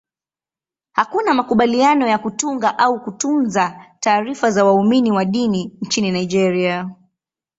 Hakuna makubaliano ya kutunga au kutunza taarifa za waumini wa dini nchini Nigeria.